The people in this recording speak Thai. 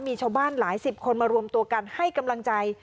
มีชาวบ้านหลายสิบคนมารวมตัวกันให้กำลังใจ